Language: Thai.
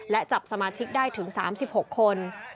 และจับสมาชิกได้ถึง๓๖คน